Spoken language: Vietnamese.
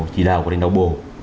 chỉ đạo của lãnh đạo bồ